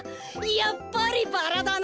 やっぱりバラだな！